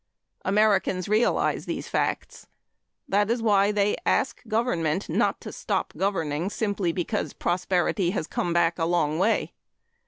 Americans realize these facts. That is why they ask government not to stop governing simply because prosperity has come back a long way.